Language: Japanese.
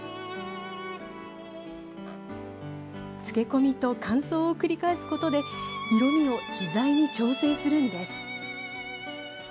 つけ込みと乾燥を繰り返すことで色味を自在に調整するんです。